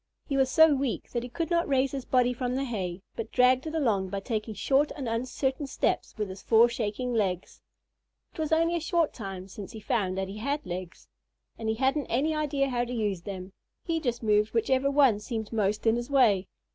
He was so weak that he could not raise his body from the hay, but dragged it along by taking short and uncertain steps with his four shaking legs. It was only a short time since he found that he had legs, and he hadn't any idea how to use them. He just moved whichever one seemed most in his way.